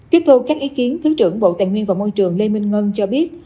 tiếp thu các ý kiến thứ trưởng bộ tài nguyên và môi trường lê minh ngân cho biết